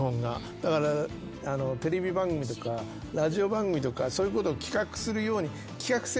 だからテレビ番組とかラジオ番組とかそういうことを企画するように。